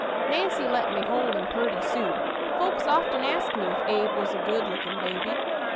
Nancy let me hold him purty soon. Folks often ask me if Abe was a good lookin' baby.